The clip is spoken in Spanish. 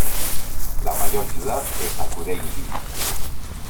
La mayor ciudad es Akureyri.